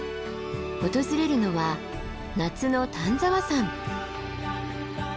訪れるのは夏の丹沢山。